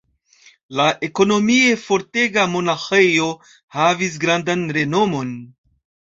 La ekonomie fortega monaĥejo havis grandan renomon.